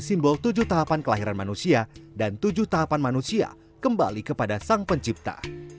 simbol tujuh tahapan kelahiran manusia dan tujuh tahapan manusia kembali kepada sang pencipta